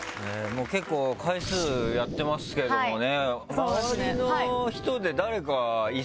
結構回数やってますけどもね。